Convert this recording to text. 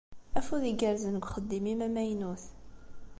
Afud igerrzen deg uxeddim-im amaynut.